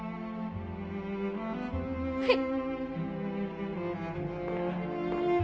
はい。